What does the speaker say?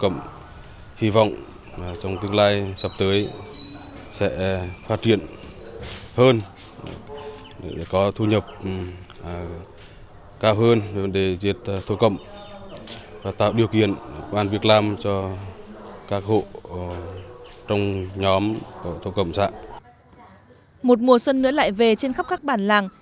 một mùa xuân nữa lại về trên khắp các bản làng